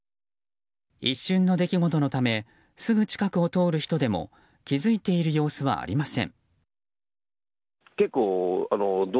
一瞬の出来事のためすぐ近くを通る人でも気づいている様子はありません。